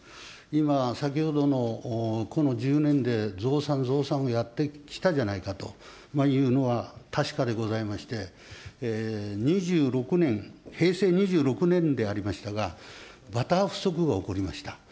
今、先ほどのこの１０年で増産、増産をやってきたじゃないかというのは確かでございまして、２６年、平成２６年でありましたが、バター不足が起こりました。